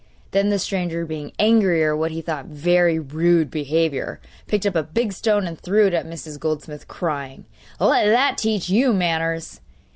Then the stranger, being angry at what he thought very rude behaviour, picked up a big stone and threw it at Mrs. Goldsmith, crying: 'Let that teach you manners!